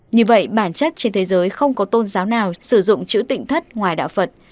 như vậy bản chất trên thế giới không có tôn giáo nào sử dụng chữ tịnh thất ngoài đạo phật